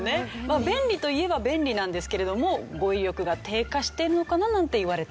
便利といえば便利なんですけれども語彙力が低下してるのかな？なんていわれてしまうと。